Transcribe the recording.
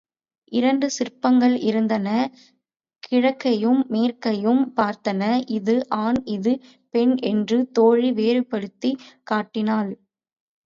இரண்டு சிற்பங்கள் இருந்தன கிழக்கையும் மேற்கையும் பார்த்தன இது ஆண் இது பெண் என்று தோழி வேறுபடுத்திக் காட்டினாள்.